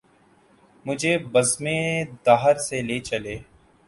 مجھے بزم دہر سے لے چلے